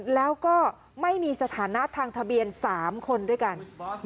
แล้วก็ไม่มีสถานะทางทะเบียน๓คนด้วยกัน